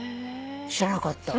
知らなかった。